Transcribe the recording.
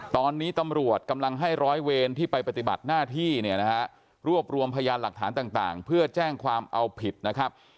ตอนนี้ตำรวจกำลังให้ร้อยเวรที่ไปปฏิบัติหน้าที่เนี่ยนะฮะรวบรวมพยานหลักฐานต่างเพื่อแจ้งความเอาผิดนะครับ